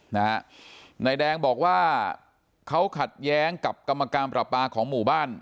นายแดงบอกว่าเขาขัดแย้งกับกรรมการประปาของหมู่บ้าน